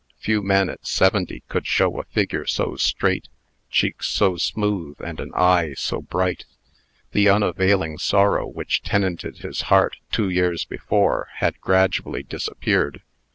Few men at seventy could show a figure so straight, cheeks so smooth, and an eye so bright. The unavailing sorrow which tenanted his heart two years before, had gradually disappeared.